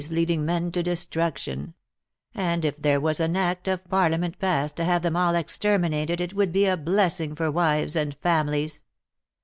3(33 leading men to destruction; and it there was an act of Parlia ment passed to have them all exterminated it would be a bless ing for wives and families.